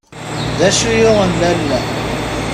D acu yuɣen lalla?